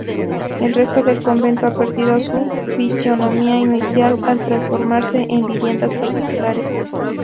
El resto del convento ha perdido su fisionomía inicial al transformarse en viviendas particulares.